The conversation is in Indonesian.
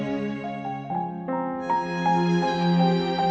ibu berdarah bu